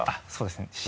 あっそうですね。